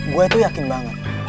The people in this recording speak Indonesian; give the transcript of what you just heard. gue tuh yakin banget